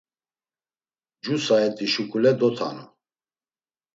Cu saet̆i şuǩule dotanun.